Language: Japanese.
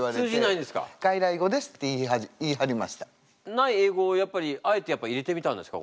ない英語をやっぱりあえてやっぱり入れてみたんですか？